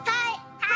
はい！